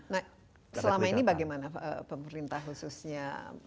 nah selama ini bagaimana pemerintah khususnya